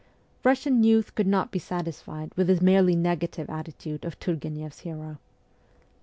Russian youth could not be satisfied with the merely negative attitude of Turgueneff's hero.